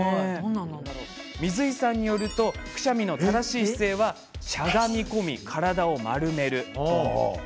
水井さんによるとくしゃみの正しい姿勢はしゃがみ込み体を丸める。